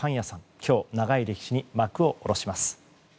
今日長い歴史に幕を下ろします。